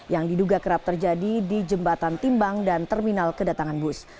yang diduga kerap terjadi di jembatan timbang dan terminal kedatangan bus